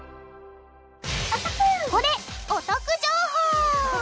ここでお得情報！